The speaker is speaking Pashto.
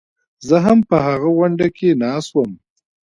زه هم په هغه غونډه کې ناست وم.